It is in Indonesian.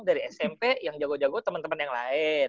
dari smp yang jago jago teman teman yang lain